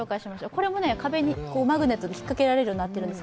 これも壁にマグネットで引っかけられるようになってます。